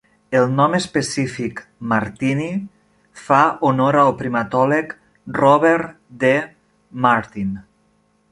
El nom específic, "martini", fa honor al primatòleg Robert D. Martin.